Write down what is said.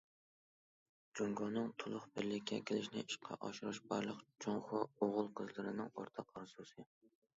جۇڭگونىڭ تولۇق بىرلىككە كېلىشىنى ئىشقا ئاشۇرۇش بارلىق جۇڭخۇا ئوغۇل- قىزلىرىنىڭ ئورتاق ئارزۇسى.